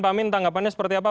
pak amin tanggapannya seperti apa